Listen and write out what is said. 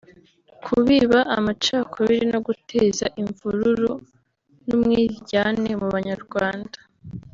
kubiba amacakubiri no guteza imvururu n’ umwiryane mu Banyarwanda